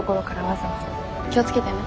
気を付けてね。